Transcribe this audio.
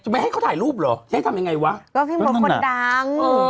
แล้วพี่หมดคนดัง